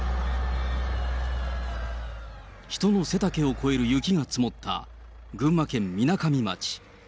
人の背丈を超える雪が積もった群馬県みなかみ町。